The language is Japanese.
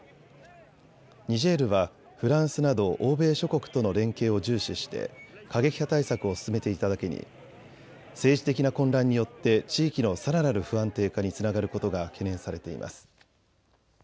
ニジェールはフランスなど欧米諸国との連携を重視して過激派対策を進めていただけに政治的な混乱によって地域のさらなる不安定化につながることが懸念されています。